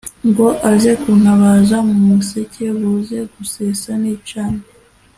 ngo aze kuntabaza mu museke, buze gusesa nicana.